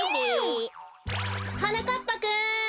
はなかっぱくん！